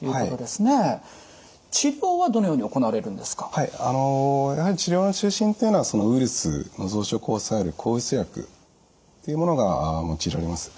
はいやはり治療の中心というのはウイルスの増殖を抑える抗ウイルス薬というものが用いられます。